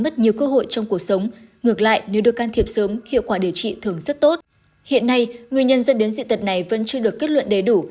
trên dị tật này vẫn chưa được kết luận đầy đủ